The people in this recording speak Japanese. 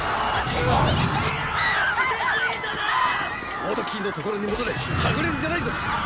ポートキーのところに戻れはぐれるんじゃないぞ！